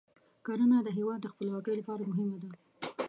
کرنه د هیواد د خپلواکۍ لپاره مهمه ده.